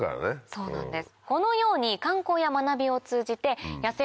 そうなんです。